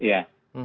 begitu ya pak alim